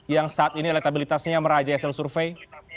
yang saat ini elektabilitasnya meraja esel survei